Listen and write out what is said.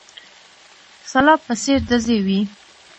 سلاب په څېر ډزې وې.